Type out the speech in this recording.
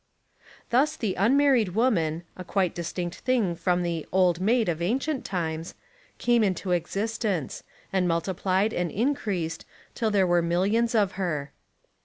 Thus the unmarried woman, a quite distinct thing from the "old maid" of ancient times, came into existence, and multiplied and in creased till there were millions of her.